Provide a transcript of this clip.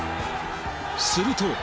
すると。